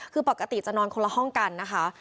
คือปกติจะนอนคนละห้องกันนะคะ